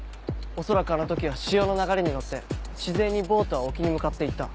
恐らくあの時は潮の流れに乗って自然にボートは沖に向かって行った。